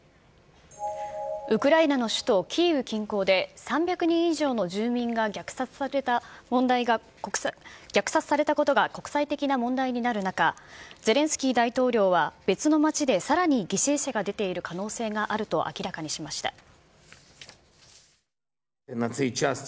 ウクライナの首都キーウ近郊で、３００人以上の住民が虐殺されたことが国際的な問題になる中、ゼレンスキー大統領は、別の町でさらに犠牲者が出ている可能性があると明らかにしました。